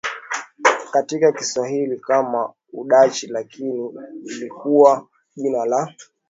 katika Kiswahili kama Udachi lakini lilikuwa jina la